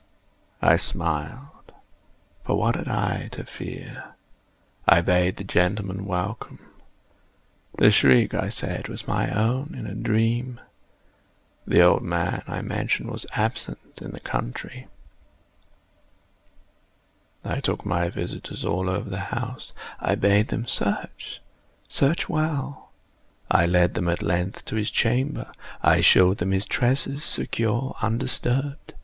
I smiled,—for what had I to fear? I bade the gentlemen welcome. The shriek, I said, was my own in a dream. The old man, I mentioned, was absent in the country. I took my visitors all over the house. I bade them search—search well. I led them, at length, to his chamber. I showed them his treasures, secure, undisturbed.